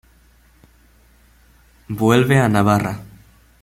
Vuelve a Navarra.